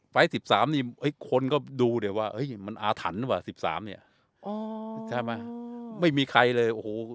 ฟ้ายตรง๑๓คนเห็นถึงอะถันไม่มีใครทราบ